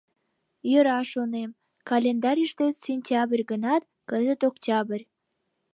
Йӧра, шонем, календарьыште сентябрь гынат, кызыт октябрь.